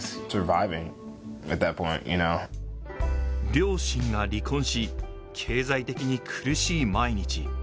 両親が離婚し経済的に苦しい毎日。